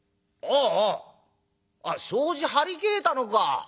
あああっ障子張り替えたのか。